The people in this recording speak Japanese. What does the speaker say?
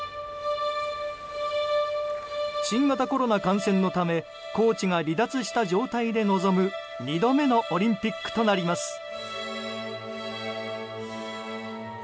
新型コロナ感染のためコーチが離脱した状態で臨む２度目のオリンピックとなります。